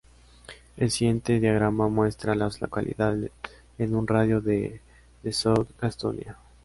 El siguiente diagrama muestra a las localidades en un radio de de South Gastonia.